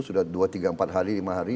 sudah dua tiga empat hari lima hari